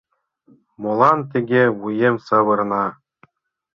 Молан тыге вуем савырна?..